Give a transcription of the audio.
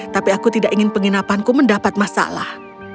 tapi aku tidak ingin penginapanku mendapat masalah